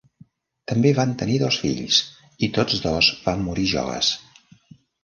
També van tenir dos fills i tots dos van morir joves.